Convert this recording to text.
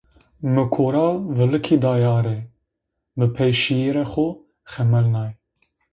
mı ko ra vılıki day arê, mı pey şiirê xo xemelnay.